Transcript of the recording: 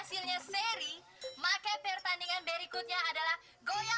sampai jumpa di video selanjutnya